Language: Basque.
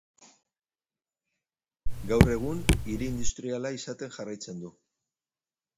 Gaur egun hiri industriala izaten jarraitzen du.